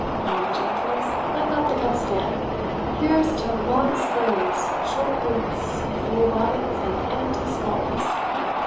Come, gentles, let not the cup stand here's to long spurs, short boots, full bonnets, and empty skulls!"